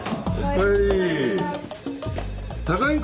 はい。